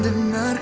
aku akan pergi